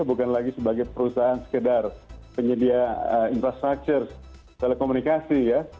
bukan lagi sebagai perusahaan sekedar penyedia infrastruktur telekomunikasi ya